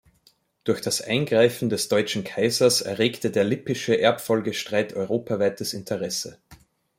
Durch das Eingreifen des Deutschen Kaisers erregte der Lippische Erbfolgestreit europaweites Interesse.